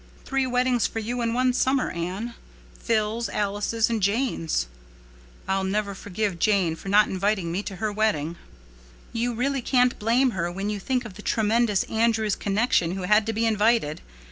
Three weddings for you in one summer, Anne—Phil's, Alice's, and Jane's. I'll never forgive Jane for not inviting me to her wedding." "You really can't blame her when you think of the tremendous Andrews connection who had to be invited.